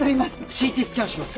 ＣＴスキャンします。